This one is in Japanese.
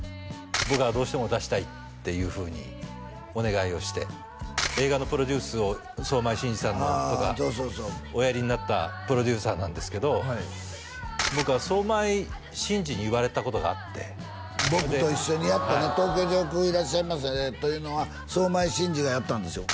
僕がどうしても出したいっていうふうにお願いをして映画のプロデュースを相米慎二さんのとかおやりになったプロデューサーなんですけど僕は相米慎二に言われたことがあって僕と一緒にやってね「東京上空いらっしゃいませ」というのは相米慎二がやったんですよ